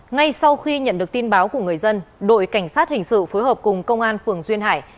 ngay sau khi nhận được tin báo của người dân đội cảnh sát hình sự phối hợp cùng công an phường duyên hải